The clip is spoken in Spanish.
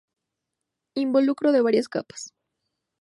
Involucro de varias capas.